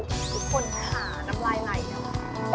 ทุกคนขาน้ำลายอะไรเนี่ย